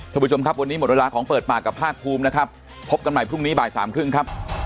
ท่านผู้ชมครับวันนี้หมดเวลาของเปิดปากกับภาคภูมินะครับพบกันใหม่พรุ่งนี้บ่ายสามครึ่งครับ